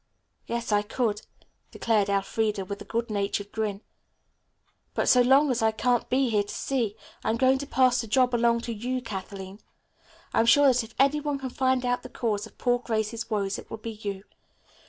"Yes, I could," declared Elfreda with a good natured grin. "But so long as I can't be here to see, I'm going to pass the job along to you, Kathleen. I'm sure that if any one can find out the cause of poor Grace's woes it will be you.